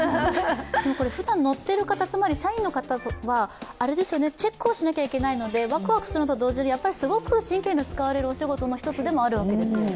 ふだん乗っている方、つまり社員の方はチェックをしなきゃいけないのでワクワクすると同時にすごく神経の使われるお仕事の一つでもあるわけですよね。